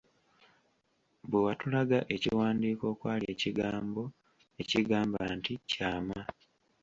Bwe watulaga ekiwandiiko okwali ekigambo ekigamba nti “KYAMA”.